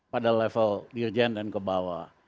pada level dirjen dan kebawah